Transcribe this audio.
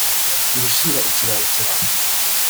wihishira ikirara cyawe